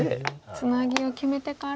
ツナギを決めてから。